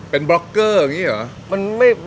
เป็นบล็อกเกอร์อย่างนี้เหรอ